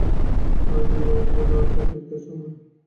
আর তুমি আমাকে লড়তে দিতে চাও না?